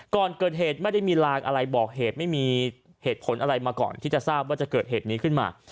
ก่อนเกิดเหตุไม่ได้มีลางอะไรบอกเหตุไม่มีเหตุผลอะไรมาก่อนที่จะทราบว่าจะเกิดเหตุนี้ขึ้นมา